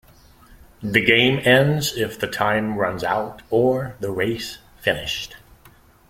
The game ends if the time runs out or the race finished.